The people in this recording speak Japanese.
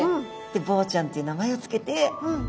ボウちゃんという名前を付けて。